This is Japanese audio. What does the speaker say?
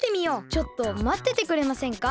ちょっとまっててくれませんか？